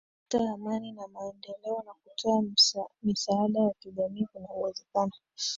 kuleta amani na maendeleo na kutoa misaada ya kijamii Kuna uwezekano